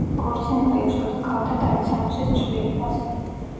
ქორწინება იწვევდა ქალთა ტანისამოსის ცვლილებას.